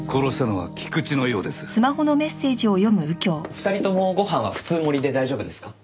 ２人ともご飯は普通盛りで大丈夫ですか？